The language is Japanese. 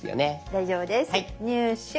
大丈夫です「入手」。